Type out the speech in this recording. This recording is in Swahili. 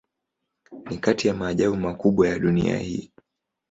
Ni kati ya maajabu makubwa ya dunia hii.